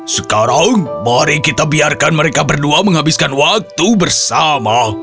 sekarang mari kita biarkan mereka berdua menghabiskan waktu bersama